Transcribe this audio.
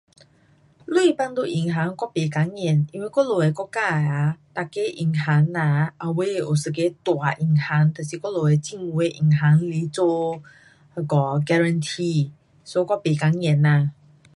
钱放在银行我不担心，因为我们的国家 um 每个银行 um 后尾有一个大银行，就是我们的政府的银行来做那个 guarantee. So 我不担心哪。